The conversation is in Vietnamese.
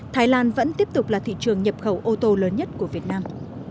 thái lan vẫn tiếp tục là thị trường nhập khẩu ô tô lớn nhất của việt nam